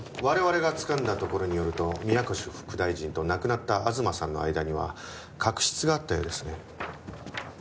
我々がつかんだところによると宮越副大臣と亡くなった東さんの間には確執があったようですね。